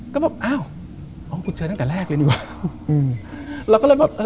ก็แบบอ้าวกูเจอตั้งแต่แรกเลยดีกว่า